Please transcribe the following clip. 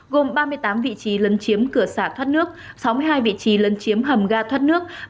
gồm ba mươi tám vị trí lân chiếm cửa xạ thoát nước sáu mươi hai vị trí lân chiếm hầm ga thoát nước